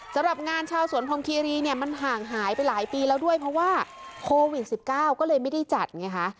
สำหรับงานชาวสวนพรมคีรีเนี่ยมันห่างหายไปหลายปีแล้วด้วยเพราะว่าโควิด๑๙ก็เลยไม่ได้จัดไงคะ